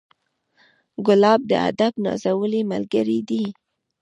ګلاب د ادب نازولی ملګری دی.